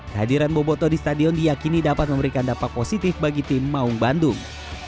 kehadiran boboto di stadion diakini dapat memberikan dampak positif bagi tim maung bandung